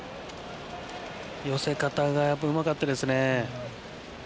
寄せ方がうまかったですね。